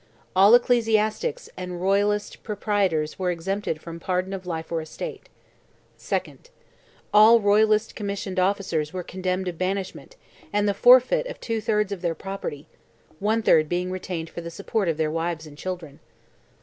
All ecclesiastics and royalist proprietors were exempted from pardon of life or estate. 2nd. All royalist commissioned officers were condemned to banishment, and the forfeit of two thirds of their property, one third being retained for the support of their wives and children.